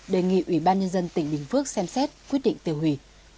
đề nghị ủy ban nhân dân tỉnh bình phước xem xét quyết định tiêu hủy